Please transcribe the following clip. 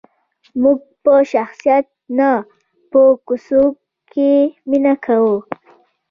موږ په شخصیت نه، په څوکې مینه کوو.